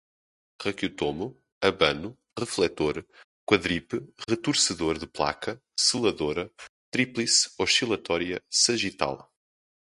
raquiotomo, abano, refletor, quadripe, retorcedor de placa, seladora, tríplice, oscilatória, sagital